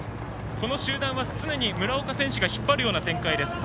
この集団は村岡選手が引っ張る展開です。